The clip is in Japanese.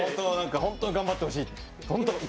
ホント、頑張ってほしい。